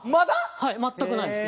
はい全くないです